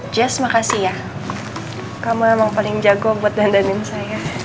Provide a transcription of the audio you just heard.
jazz makasih ya kamu emang paling jago buat dandanin saya